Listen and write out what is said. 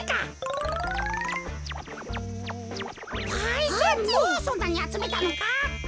パイセンもうそんなにあつめたのか？